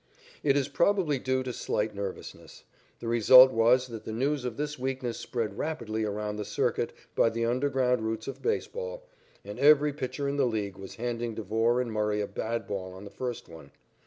It is probably due to slight nervousness. The result was that the news of this weakness spread rapidly around the circuit by the underground routes of baseball, and every pitcher in the League was handing Devore and Murray a bad ball on the first one.